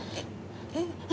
えっ。